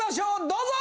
どうぞ！